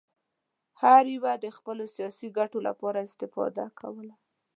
هر یوه د خپلو سیاسي ګټو لپاره استفاده کوله.